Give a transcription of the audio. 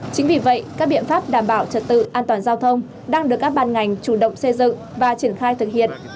chính vì vậy các biện pháp đảm bảo trật tự an toàn giao thông đang được các ban ngành chủ động xây dựng và triển khai thực hiện